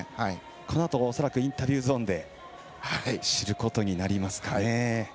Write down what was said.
このあと、恐らくインタビューゾーンで知ることになりますかね。